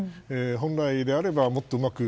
本来であればもっとうまく。